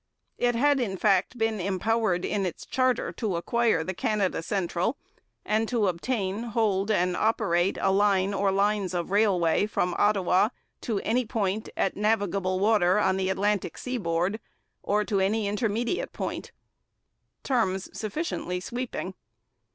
It had, in fact, been empowered in its charter to acquire the Canada Central and 'to obtain, hold, and operate a line or lines of railway from Ottawa to any point at navigable water on the Atlantic seaboard, or to any intermediate point' terms sufficiently sweeping.